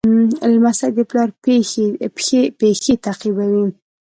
لمسی د پلار پېښې تعقیبوي.